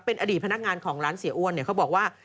เป็นอดีตพนักงานของร้านเสียอ้วนเขาบอกว่า